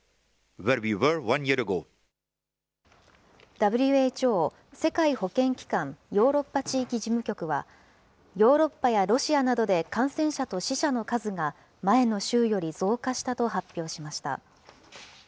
ＷＨＯ・世界保健機関ヨーロッパ地域事務局は、ヨーロッパやロシアなどで感染者と死者の数が前の週より増加したと発表しました。